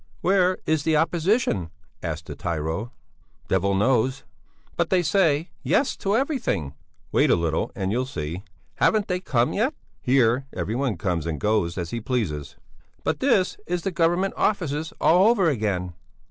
"Where is the opposition?" asked the tyro. "The devil knows!" "But they say Yes to everything!" "Wait a little and you'll see!" "Haven't they come yet?" "Here every one comes and goes as he pleases." "But this is the Government Offices all over again!"